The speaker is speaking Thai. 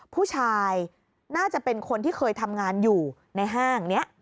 ผู้ชายน่าจะเป็นคนที่เคยทำงานอยู่ในห้างนี้